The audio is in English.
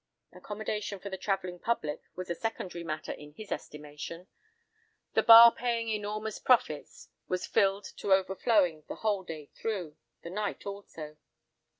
Accommodation for the travelling public was a secondary matter, in his estimation. The bar paying enormous profits, was filled to overflowing the whole day through—the night also.